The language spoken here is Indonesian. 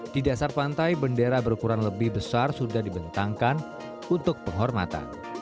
di dasar pantai bendera berukuran lebih besar sudah dibentangkan untuk penghormatan